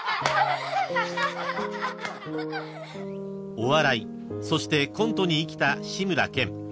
［お笑いそしてコントに生きた志村けん］